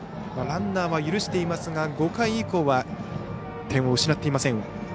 ランナーは許していますが５回以降は点を失っていません。